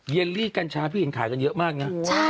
เลลี่กัญชาพี่เห็นขายกันเยอะมากนะ